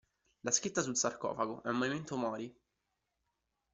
La scritta sul sarcofago è un "memento mori".